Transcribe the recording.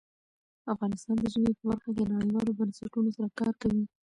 افغانستان د ژمی په برخه کې نړیوالو بنسټونو سره کار کوي.